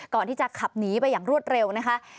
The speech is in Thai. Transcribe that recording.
ก่อนที่จะขับหนีไปอย่างรวดเร็วนะคะ